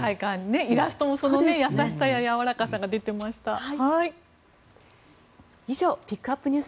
イラストも優しさややわらかさが出てました。